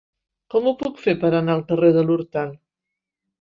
Com ho puc fer per anar al carrer de l'Hortal?